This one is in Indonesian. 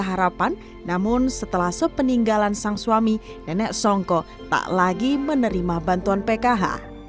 harapan namun setelah sepeninggalan sang suami nenek songko tak lagi menerima bantuan pkh